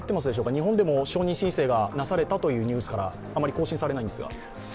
日本でも承認申請がなされたというニュースからあまり更新されないんですが。